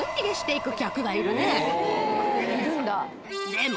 でも。